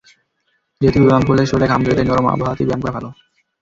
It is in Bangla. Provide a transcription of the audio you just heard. যেহেতু ব্যায়াম করলে শরীরের ঘাম ঝরে, তাই নরম আবহাওয়াতেই ব্যায়াম করা ভালো।